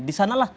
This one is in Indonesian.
di sanalah kita